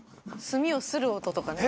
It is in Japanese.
墨をする音とかね。